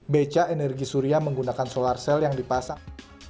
beca energi surya menggunakan solar cell yang dipasang